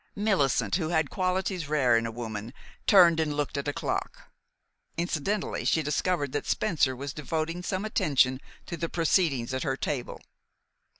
Millicent, who had qualities rare in a woman, turned and looked at a clock. Incidentally, she discovered that Spencer was devoting some attention to the proceedings at her table.